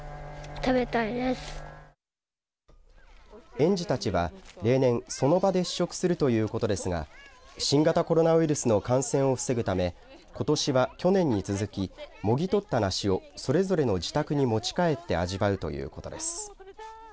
園児たちは例年その場で試食するということですが新型コロナウイルスの感染を防ぐためことしは去年に続きもぎ取った梨をそれぞれの自宅に持ち帰って味わうということです。